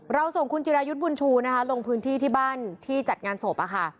เราส่งคุณจิรายุทธ์บุญชูนะคะลงพื้นที่ที่บ้านที่จัดงานศพ